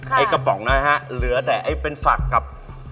ไอ้กระป๋องน้อยฮะเหลือแต่ไอ้เป็นฝักกับ